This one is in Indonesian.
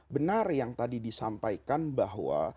benar yang tadi disampaikan bahwa